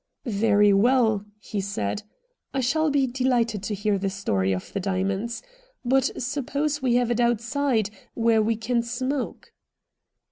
' Very well/ he said. ' I shall be delighted to hear the story of the diamonds. But suppose we have it outside, where we can smoke.'